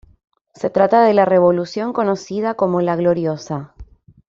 Se trata de la revolución conocida como "la Gloriosa".